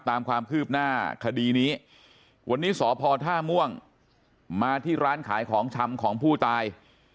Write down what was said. ตามความคืบหน้าคดีนี้วันนี้สพท่าม่วงมาที่ร้านขายของชำของผู้ตาย